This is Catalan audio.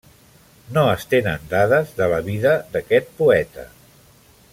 No es tenen dades de la vida d'aquest poeta.